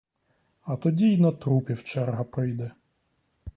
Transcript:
А тоді й на трупів черга прийде.